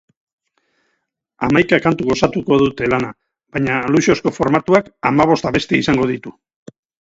Hamaika kantuk osatuko dute lana, baina luxuzko formatuak hamabost abesti izango ditu.